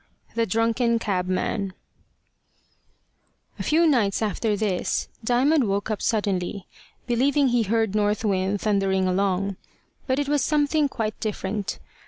THE DRUNKEN CABMAN A FEW nights after this, Diamond woke up suddenly, believing he heard North Wind thundering along. But it was something quite different.